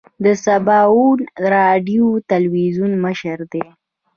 د سباوون راډیو تلویزون مشر دی.